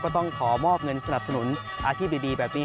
ต้องขอมอบเงินสนับสนุนอาชีพดีแบบนี้